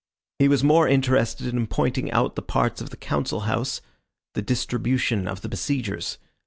He was more interested in pointing out the parts of the Council House, the distribution of the besiegers.